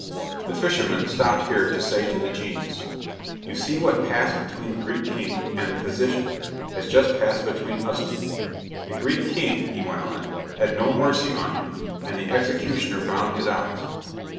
The fisherman stopped here to say to the genius: "You see what passed between the Greek king and the physician has just passed between us two. The Greek king," he went on, "had no mercy on him, and the executioner bound his eyes."